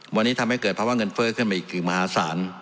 วันนี้ทำให้เกิดภาวะเงินเฟ้อขึ้นมาอีกคือมหาศาล